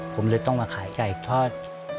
ผมเลยต้องมาขายไก่ทอด